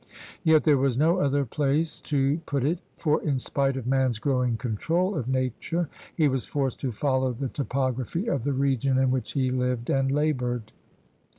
Yet there was no other place to put it, for in spite of man's growing control of nature he was forced to follow the topography of the region in which he lived and labored.